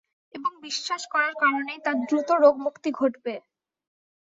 এবং বিশ্বাস করার কারণেই তার দ্রুত রোগমুক্তি ঘটবে।